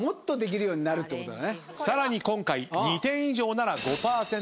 さらに今回２点以上なら５％オフ。